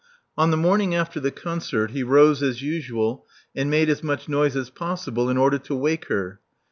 On the morning after the concert he rose as usual, and made as much noise as possible in order to wake her.